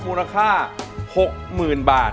มูลค่า๖๐๐๐๐บาท